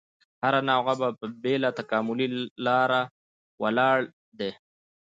هره نوعه په بېله تکاملي لاره ولاړ دی.